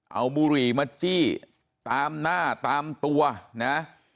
เอาบุหรี่มาจี้ตามหน้าตามตัวนะ